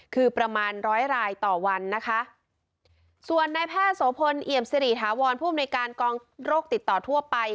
คือประมาณร้อยรายต่อวันนะคะส่วนนายแพทย์โสพลเอี่ยมสิริถาวรผู้อำนวยการกองโรคติดต่อทั่วไป